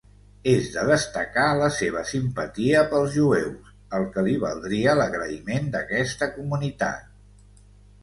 És de destacar la seva simpatia pels jueus, el que li valdria l'agraïment d'aquesta comunitat.